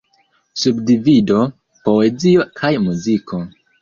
Subdivido: Poezio kaj muziko.